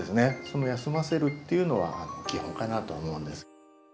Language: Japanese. その休ませるっていうのは基本かなと思うんです。